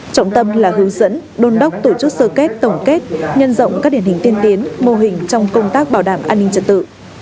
trọng tâm là hướng dẫn đôn đốc tổ chức sơ kết tổng kết nhân rộng các điển hình tiên tiến mô hình trong công tác bảo đảm an ninh trật tự